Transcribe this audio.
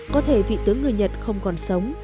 có thể vị tướng người nhật không còn sống